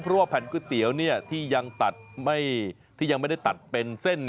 เพราะว่าแผ่นก๋วยเตี๋ยวที่ยังตัดที่ยังไม่ได้ตัดเป็นเส้น